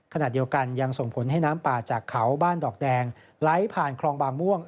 ขณะเดียวกันยังส่งผลให้น้ำป่าจากเขาบ้านดอกแดงไหลผ่านคลองบางม่วง